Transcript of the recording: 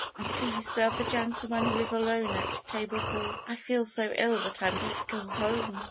And please serve the gentleman who is alone at table four. I feel so ill that I must go home.